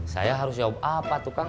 saya harus jawab apa tuh kang